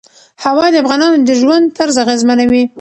هوا د افغانانو د ژوند طرز اغېزمنوي.